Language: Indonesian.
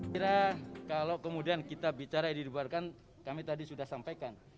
kira kalau kemudian kita bicara ini dibubarkan kami tadi sudah sampaikan